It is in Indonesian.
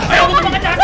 ayo gue ke pencara saya